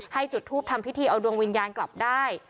จุดทูปทำพิธีเอาดวงวิญญาณกลับได้